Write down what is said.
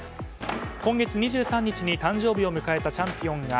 今月２３日に誕生日を迎えたチャンピオン。